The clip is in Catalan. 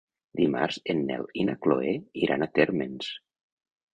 Dimarts en Nel i na Chloé iran a Térmens.